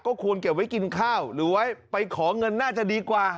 ควรเก็บไว้กินข้าวหรือไว้ไปขอเงินน่าจะดีกว่า